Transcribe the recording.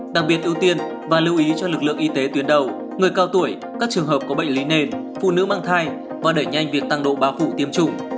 đặc biệt ưu tiên và lưu ý cho lực lượng y tế tuyến đầu người cao tuổi các trường hợp có bệnh lý nền phụ nữ mang thai và đẩy nhanh việc tăng độ ba phụ tiêm chủng